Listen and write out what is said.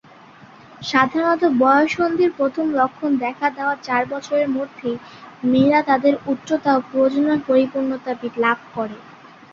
সাধারণত বয়ঃসন্ধির প্রথম লক্ষণ দেখা দেয়ার চার বছরের মধ্যেই মেয়েরা তাদের উচ্চতা ও প্রজনন পরিপূর্ণতা লাভ করে।